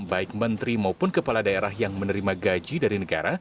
baik menteri maupun kepala daerah yang menerima gaji dari negara